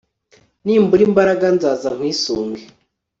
nimbura imbaraga, nzaza nkwisunge